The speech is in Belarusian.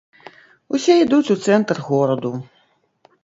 Усе ідуць у цэнтр гораду.